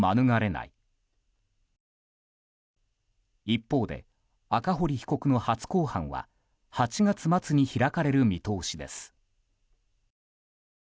一方で、赤堀被告の初公判は８月末に開かれる見通しです。